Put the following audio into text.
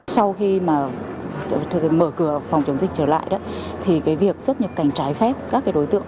sau khi mở cửa phòng chống dịch trở lại việc xuất nhập cảnh trái phép các đối tượng